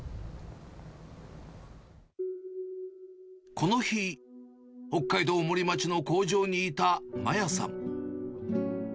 この日、北海道森町の工場にいた麻椰さん。